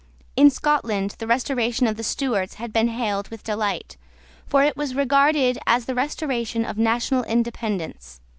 In Scotland the restoration of the Stuarts had been hailed with delight; for it was regarded as the restoration of national independence.